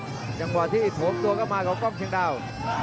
ย้องแรงดวกนะครับจังหวัดที่อีก๖ตัวก็มากับก้องเชียงดาว